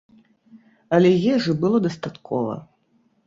Але ежы было дастаткова.